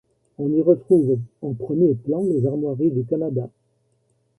On y retrouve en premier plan les Armoiries du Canada.